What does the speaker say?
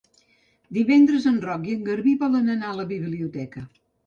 Divendres en Roc i en Garbí volen anar a la biblioteca.